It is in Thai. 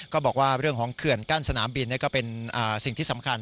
ก็บอกว่าเรื่องของเขื่อนกั้นสนามบินก็เป็นสิ่งที่สำคัญ